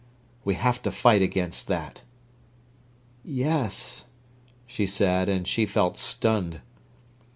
We have to fight against that." "Yes," she said, and she felt stunned.